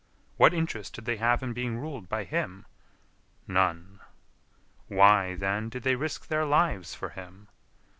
What interest did they have in being ruled by him? None. Why, then, did they risk their lives for him?